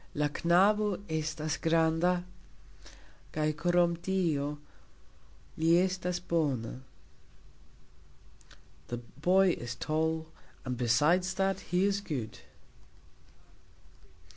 "La knabo estas granda, kaj krom tio, li estas bona". The boy is tall, and besides that, he is good.